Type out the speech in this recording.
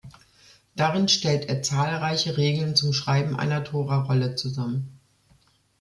Darin stellt er zahlreiche Regeln zum Schreiben einer Tora-Rolle zusammen.